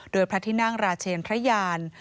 โดยพระที่นั่งราชเชนพระยาน